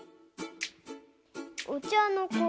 お茶の子